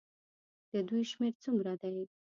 د دوی شمېر څومره دی.